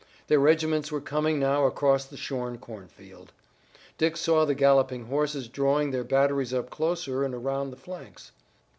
Their regiments were coming now across the shorn cornfield. Dick saw the galloping horses drawing their batteries up closer and around the flanks.